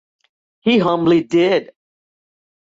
He humbly did.